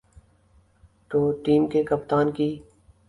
تو ٹیم کے کپتان کی۔